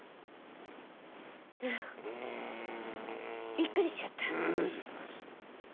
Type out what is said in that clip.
びっくりしちゃった。